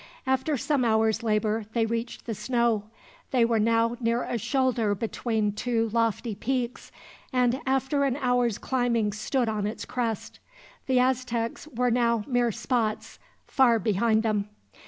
After some hours' labor they reached the snow. They were now near a shoulder between two lofty peaks, and after an hour's climbing stood on its crest. The Aztecs were now mere spots, far behind them.